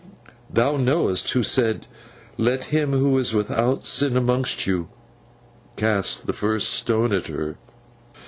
Thou knowest who said, "Let him who is without sin among you cast the first stone at her!"